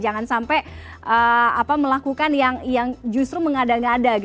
jangan sampai melakukan yang justru mengada ngada